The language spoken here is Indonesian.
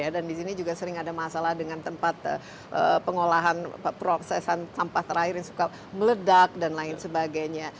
di sini juga sering ada masalah dengan tempat pengolahan prosesan sampah terakhir yang suka meledak dan lain sebagainya